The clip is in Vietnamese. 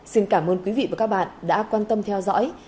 xin cảm ơn quý vị và các bạn đã quan tâm theo dõi